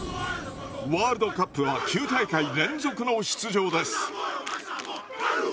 ワールドカップは９大会連続の出場です。